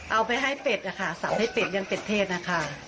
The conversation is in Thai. เอาไปให้เป็ดค่ะสาวให้เป็ดยังเป็ดเทศค่ะ